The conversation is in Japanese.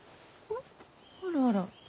あらあら。